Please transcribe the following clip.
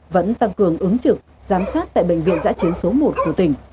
vẫn tăng cường ứng trực giám sát tại bệnh viện giã chiến số một của tỉnh